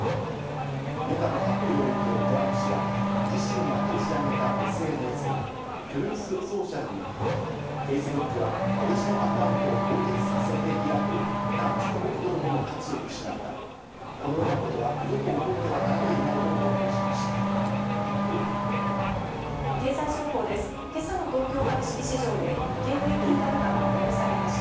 メタの発表を受け、トランプ氏は自身が立ち上げたＳＮＳ、トゥルース・ソーシャルにフェイスブックは私のアカウントを凍結させて以来、何十億ドルもの価値を失った、このようなことは二度と起こってはならないなどと投稿しました。